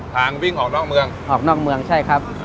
วิ่งออกนอกเมืองออกนอกเมืองใช่ครับ